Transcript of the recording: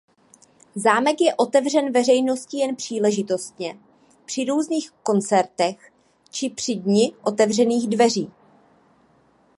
Zámek je otevřen veřejnosti jen příležitostně při různých koncertech či při Dni otevřených dveří.